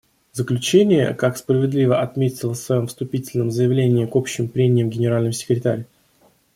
В заключение, как справедливо отметил в своем вступительном заявлении к общим прениям Генеральный секретарь,.